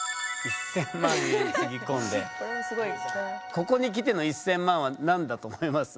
ここにきての１，０００万は何だと思います？